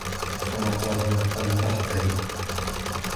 كَمَا قَالَ الْبُحْتُرِيُّ